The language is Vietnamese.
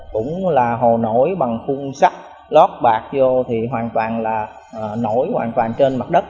cũng là hồ nổi bằng khung sắt lót bạc vô thì hoàn toàn là nổi trên mặt đất